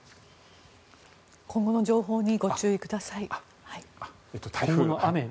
今後の情報にご注意ください。